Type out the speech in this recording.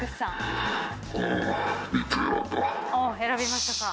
選びましたか。